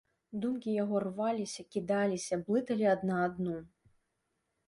Думкі яго рваліся, кідаліся, блыталі адна адну.